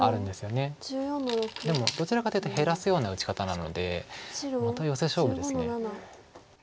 でもどちらかというと減らすような打ち方なのでまたヨセ勝負です。